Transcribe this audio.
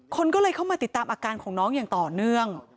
คนก็เลยเข้ามาติดตามอาการของน้องอย่างต่อเนื่อง